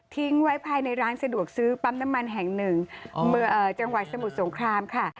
ไว้ภายในร้านสะดวกซื้อปั๊มน้ำมันแห่งหนึ่งจังหวัดสมุทรสงครามค่ะ